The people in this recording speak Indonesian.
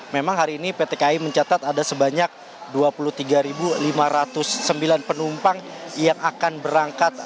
memang hari ini pt kai mencatat ada sebanyak dua puluh tiga lima ratus sembilan penumpang yang akan berangkat